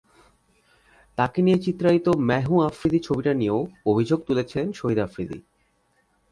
তাঁকে নিয়ে চিত্রায়িত ম্যায় হুঁ আফ্রিদি ছবিটা নিয়েও অভিযোগ তুলেছিলেন শহীদ আফ্রিদি।